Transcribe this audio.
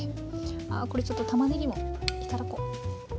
あこれちょっとたまねぎも頂こう。